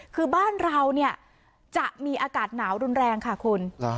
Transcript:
คือบ้านเราเนี่ยจะมีอากาศหนาวรุนแรงค่ะคุณ